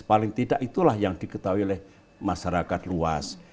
paling tidak itulah yang diketahui oleh masyarakat luas